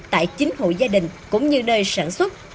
tại chính hộ gia đình cũng như nơi sản xuất